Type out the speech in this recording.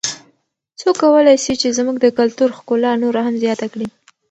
څوک کولای سي چې زموږ د کلتور ښکلا نوره هم زیاته کړي؟